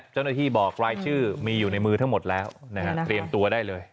เจ้าหน้าที่บอกรายชื่อมีอยู่ในมือทั้งหมดแล้วนะฮะเตรียมตัวได้เลย